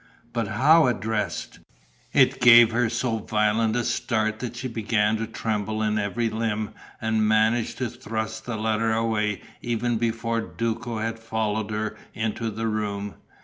But how addressed! It gave her so violent a start that she began to tremble in every limb and managed to thrust the letter away even before Duco had followed her into the room.